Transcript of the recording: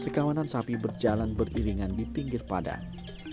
sekawanan sapi berjalan beriringan di pinggir padang